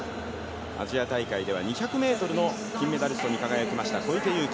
アジア大会では２００ｍの金メダリストに輝きました小池祐貴。